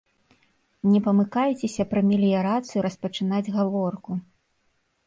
Не памыкайцеся пра меліярацыю распачынаць гаворку!